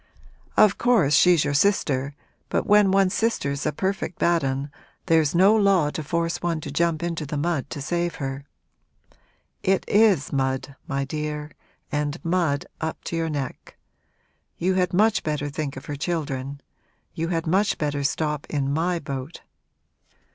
'Of course she's your sister, but when one's sister's a perfect bad 'un there's no law to force one to jump into the mud to save her. It is mud, my dear, and mud up to your neck. You had much better think of her children you had much better stop in my boat.'